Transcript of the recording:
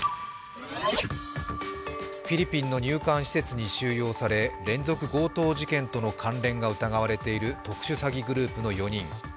フィリピンの入管施設に収容され、連続強盗事件との関連が疑われている特殊詐欺グループの４人。